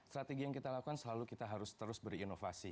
strategi yang kita lakukan selalu kita harus terus berinovasi